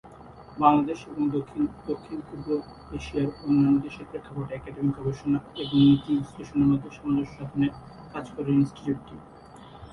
বাংলাদেশ এবং দক্ষিণ ও দক্ষিণ-পূর্ব এশিয়ার অন্যান্য দেশের প্রেক্ষাপটে একাডেমিক গবেষণা এবং নীতি বিশ্লেষণের মধ্যে সামঞ্জস্য সাধনে কাজ করে ইনস্টিটিউটটি।